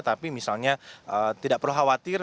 tapi misalnya tidak perlu khawatir